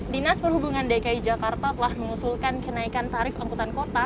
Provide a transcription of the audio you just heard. dinas perhubungan dki jakarta telah mengusulkan kenaikan tarif angkutan kota